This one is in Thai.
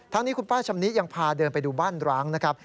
นี้คุณป้าชำนิยังพาเดินไปดูบ้านร้างนะครับ